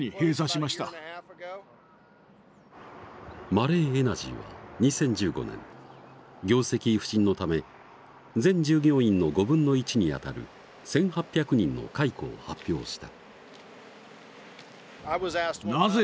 マレーエナジーは２０１５年業績不振のため全従業員の５分の１にあたる１，８００人の解雇を発表した。